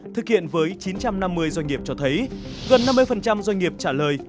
thực hiện với chín trăm năm mươi doanh nghiệp cho thấy gần năm mươi doanh nghiệp trả lời